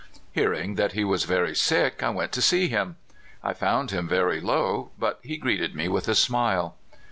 Hearing that he was very sick, I went to see him. I found him very low, but he greeted me with a smile.